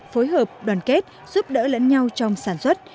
phối hợp đoàn kết giúp đỡ lẫn nhau trong sản xuất